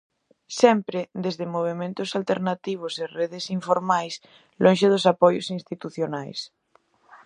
Sempre desde movementos alternativos e redes informais, lonxe dos apoios institucionais.